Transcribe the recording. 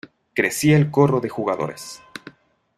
crecía el corro de jugadores.